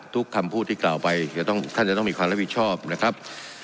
คำพูดที่กล่าวไปท่านจะต้องมีความรับผิดชอบนะครับ